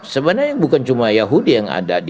sebenarnya bukan cuma yahudi yang ada di